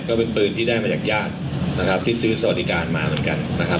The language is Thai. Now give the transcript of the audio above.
ก็เป็นปืนที่ได้มาจากญาตินะครับที่ซื้อสวัสดิการมาเหมือนกันนะครับ